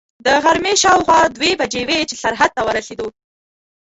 د غرمې شاوخوا دوې بجې وې چې سرحد ته ورسېدو.